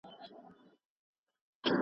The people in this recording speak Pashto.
موږ ته قسمت پر کنډوونو ورکي لاري کښلي